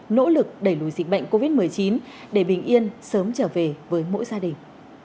nỗ lực đẩy lùi dịch bệnh covid một mươi chín để bình yên sớm trở về với mỗi gia đình